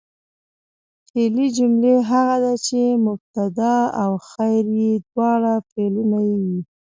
فعلي جمله هغه ده، چي مبتدا او خبر ئې دواړه فعلونه يي.